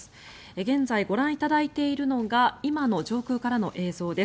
現在、ご覧いただいているのが今の上空からの映像です。